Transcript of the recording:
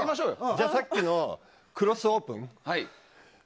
じゃあさっきのクロスオープン。